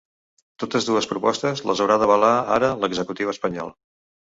Totes dues propostes les haurà d’avalar ara l’executiu espanyol.